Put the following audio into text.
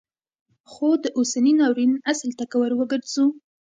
خو د اوسني ناورین اصل ته که وروګرځو